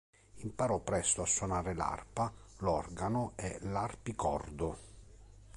Imparò presto a suonare l’arpa, l’organo e l’arpicordo.